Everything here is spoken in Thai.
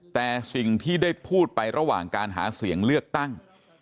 แต่สิ่งที่ได้พูดไประหว่างการหาเสียงเลือกตั้ง